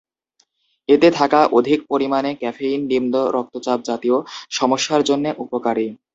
এতে থাকা অধিক পরিমানে ক্যাফেইন নিম্ন রক্তচাপ জাতীয় সমস্যার জন্যে উপকারী।